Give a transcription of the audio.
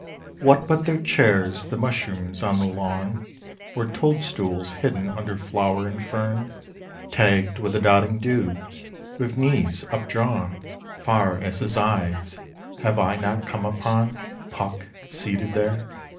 What but their chairs the mushrooms on the lawn, Or toadstools hidden under flower and fern, Tagged with the dotting dew! With knees updrawn Far as his eyes, have I not come upon PUCK seated there?